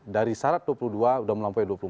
dari syarat dua puluh dua sudah melampaui dua puluh empat